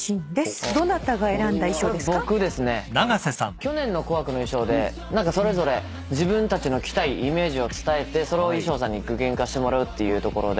去年の『紅白』の衣装で何かそれぞれ自分たちの着たいイメージを伝えてそれを衣装さんに具現化してもらうっていうところで。